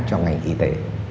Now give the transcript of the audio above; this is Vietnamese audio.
cho ngành y tế